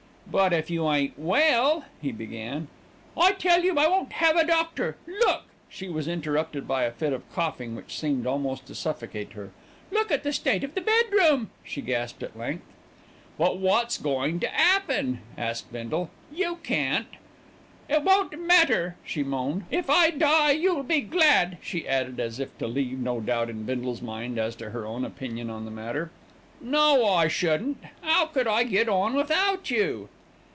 "But if you ain't well " he began. "I tell you I won't have a doctor. Look " She was interrupted by a fit of coughing which seemed almost to suffocate her. "Look at the state of the bedroom," she gasped at length. "But wot's goin' to 'appen?" asked Bindle. "You can't " "It won't matter," she moaned. "If I die you'll be glad," she added, as if to leave no doubt in Bindle's mind as to her own opinion on the matter. "No, I shouldn't. 'Ow could I get on without you?"